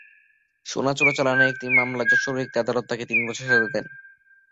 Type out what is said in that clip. সোনা চোরাচালানের একটি মামলায় যশোরের একটি আদালত তাঁকে তিন বছরের সাজা দেন।